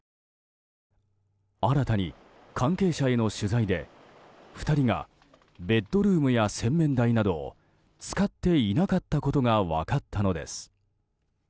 新たに関係者への取材で２人がベッドルームや洗面台などを使っていなかったことが分かったのです。